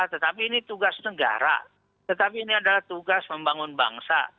tetapi ini tugas negara tetapi ini adalah tugas membangun bangsa